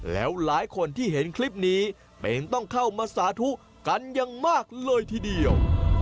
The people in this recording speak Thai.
แล้วหลายคนที่เห็นคลิปนี้เป็นต้องเข้ามาสาธุกันอย่างมากเลยทีเดียว